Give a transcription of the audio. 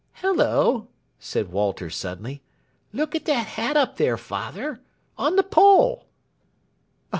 "Hullo!" said Walter suddenly; "look at that hat up there, father. On the pole."